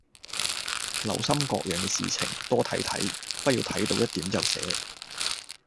留心各樣嘅事情，多睇睇，不要睇到一點就寫